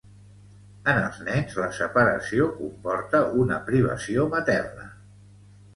En els nens, la separació comporta una privació materna.